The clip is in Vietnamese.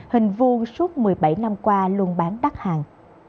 hình vu suốt một mươi bảy năm qua luôn bán đắt hàng